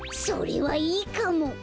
それはいいかも。